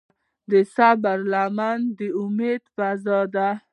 د صبر لمن د امید فضا ده.